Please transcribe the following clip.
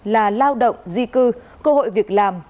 là lao động di cư cơ hội việc làm